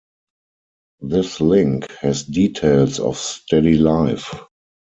This link has details of Steady life.